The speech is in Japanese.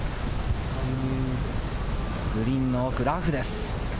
グリーンの奥、ラフです。